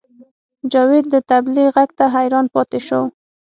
جاوید د طبلې غږ ته حیران پاتې شو